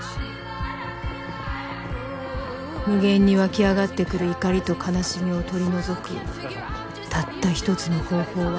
無限に湧き上がってくる怒りと悲しみを取り除くたったひとつの方法は